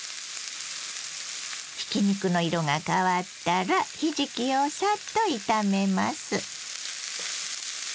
ひき肉の色が変わったらひじきをさっと炒めます。